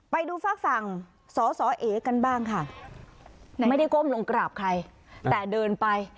ไปดูฝากฝั่งสอสอเอกันบ้างค่ะไม่ได้ก้มลงกราบใครแต่เดินไป